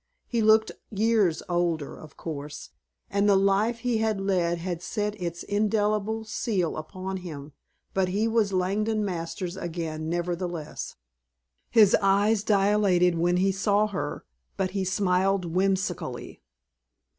He looked years older, of course, and the life he had led had set its indelible seal upon him, but he was Langdon Masters again nevertheless. His eyes dilated when he saw her, but he smiled whimsically.